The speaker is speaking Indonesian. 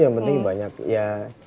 yang penting banyak ya